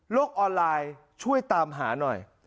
ออนไลน์ช่วยตามหาหน่อย